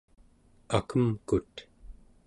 akemkut